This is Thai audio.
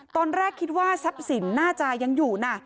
ตอนแรกคิดว่าทรัพย์สินน่าจะยังอยู่นะ